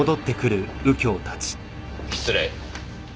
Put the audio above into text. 失礼。